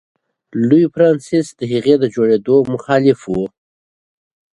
لومړي فرانسیس د هغې د جوړېدو مخالف و.